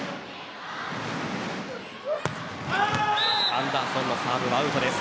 アンダーソンのサーブはアウトです。